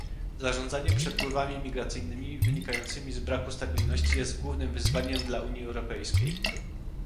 Zarządzanie przepływami migracyjnymi wynikającymi z braku stabilności jest głównym wyzwaniem dla Unii Europejskiej